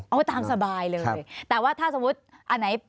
เอาตามสบายเลยแต่ว่าถ้าสมมุติ